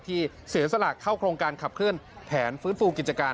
ที่เสียสละเข้าโครงการขับเคลื่อนแผนฟื้นฟูกิจการ